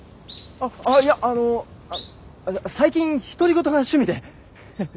ああっいやあの最近独り言が趣味で。